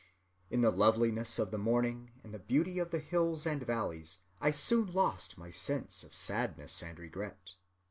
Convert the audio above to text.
In the loveliness of the morning, and the beauty of the hills and valleys, I soon lost my sense of sadness and regret.